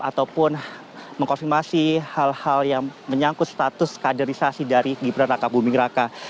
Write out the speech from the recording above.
ataupun mengkonfirmasi hal hal yang menyangkut status kaderisasi dari gibran raka buming raka